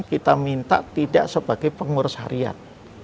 kita minta tidak sebagai pengurus harian